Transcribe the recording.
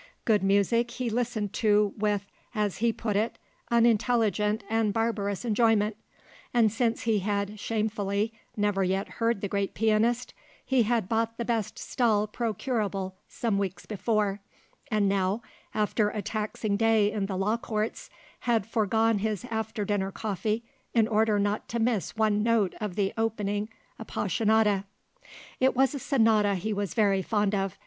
Good music he listened to with, as he put it, unintelligent and barbarous enjoyment; and since he had, shamefully, never yet heard the great pianist, he had bought the best stall procurable some weeks before, and now, after a taxing day in the law courts, had foregone his after dinner coffee in order not to miss one note of the opening Appassionata; it was a sonata he was very fond of.